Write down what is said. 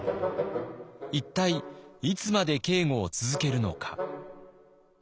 一体いつまで警固を続けるのか。